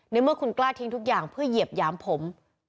เมื่อคุณกล้าทิ้งทุกอย่างเพื่อเหยียบหยามผม